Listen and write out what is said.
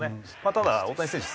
ただ大谷選手